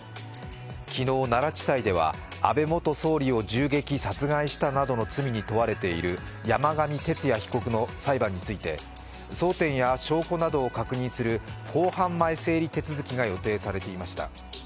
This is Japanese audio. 昨日、奈良地裁では安倍元総理を銃撃・殺害したなどの罪に問われている山上徹也被告の裁判について争点や証拠などを確認する公判前整理手続が予定されていました。